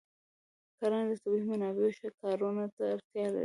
کرنه د طبیعي منابعو ښه کارونه ته اړتیا لري.